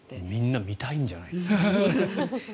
みんな見たいんじゃないですか。